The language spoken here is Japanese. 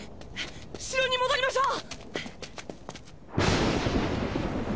城に戻りましょう！